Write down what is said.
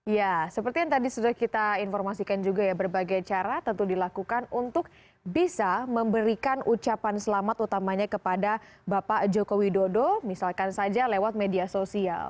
ya seperti yang tadi sudah kita informasikan juga ya berbagai cara tentu dilakukan untuk bisa memberikan ucapan selamat utamanya kepada bapak joko widodo misalkan saja lewat media sosial